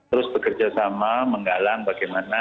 terus bekerja sama menggalang bagaimana